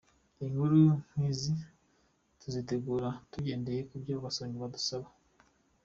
Inkuru nkizi tuzitegura tugendeye kubyo abasomyi badusaba.